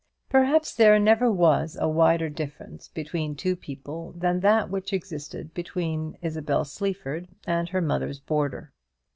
Perhaps there never was a wider difference between two people than that which existed between Isabel Sleaford and her mother's boarder.